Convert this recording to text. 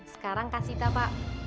sekarang kasita pak